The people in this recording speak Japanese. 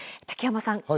竹山さん